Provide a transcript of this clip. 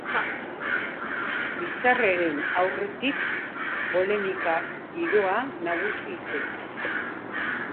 Biltzarraren aurretik, polemika giroa nagusitu zen.